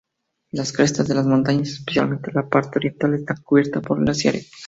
Las crestas de las montañas, especialmente en la parte oriental, están cubierta por glaciares.